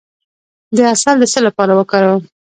د عسل د څه لپاره وکاروم؟